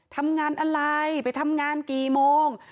ทำงานอะไรไปทำงานกี่โมง